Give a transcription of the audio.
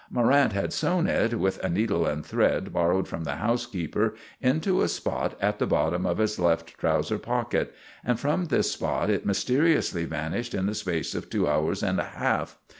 Morrant had sewn it, with a needle and thread borrowed from the housekeeper, into a spot at the bottom of his left trouser pocket, and from this spot it mysteriously vanished in the space of two hours and a half.